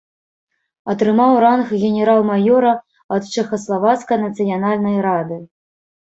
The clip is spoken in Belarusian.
Атрымаў ранг генерал-маёра ад чэхаславацкай нацыянальнай рады.